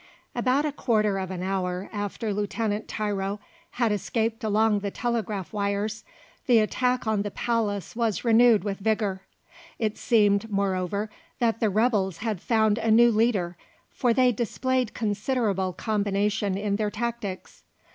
About a quarter of an hour after Lieutenant Tiro had escaped along the telegraph wires, the attack on the palace was renewed with vigour. It seemed, moreover, that the rebels had found a new leader, for they displayed considerable combination in their tactics.